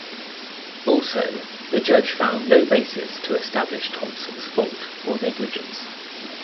Also, the judge found no basis to establish Thomson's fault or negligence.